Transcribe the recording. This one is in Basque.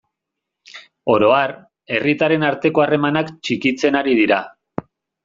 Oro har, herritarren arteko harremanak txikitzen ari dira.